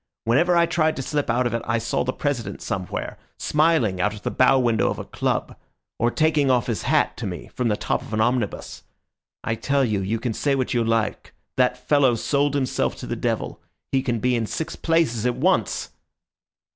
Whenever I tried to slip out of it I saw the President somewhere, smiling out of the bow window of a club, or taking off his hat to me from the top of an omnibus. I tell you, you can say what you like, that fellow sold himself to the devil; he can be in six places at once."